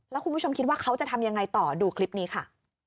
แล้วคุณผู้ชมคิดว่าเขาจะทำยังไงต่อดูคลิปนี้ค่ะ